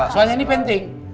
soalnya ini penting